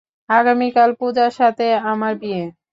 আগামীকাল পুজার সাথে আমার বিয়ে।